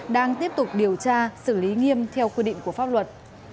đang tiếp tục điều tra xử lý nghiêm theo quy định của pháp luật